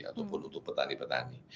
ataupun untuk petani petani